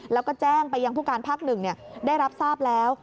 แล้วก็แจ้งไปยังผู้การภาค๑ได้รับทราบแล้ว